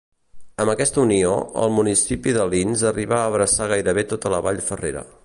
Amb aquesta unió, el municipi d'Alins arribà a abraçar gairebé tota la Vall Ferrera.